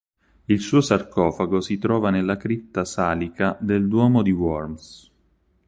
Il suo sarcofago si trova nella cripta salica del Duomo di Worms.